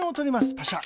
パシャ。